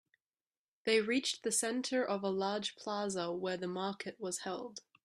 They reached the center of a large plaza where the market was held.